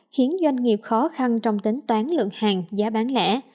khiến doanh nghiệp khó khăn trong tính toán lượng hàng giá bán lẻ